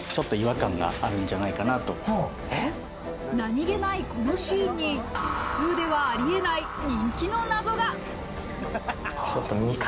何気ないこのシーンに普通ではありえない人気のナゾが！